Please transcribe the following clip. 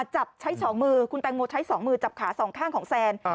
จับใช้๒มือคุณแตงโมใช้๒มือจับขาสองข้างของแซน